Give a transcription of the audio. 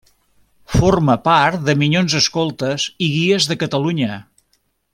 Forma part de Minyons Escoltes i Guies de Catalunya.